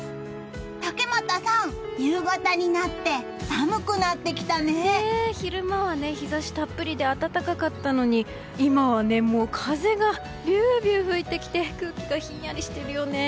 竹俣さん、夕方になって昼間は日差したっぷりで暖かったのに今は、風がビュービュー吹いてきて空気がひんやりしているよね。